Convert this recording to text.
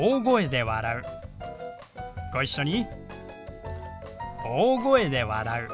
ご一緒に。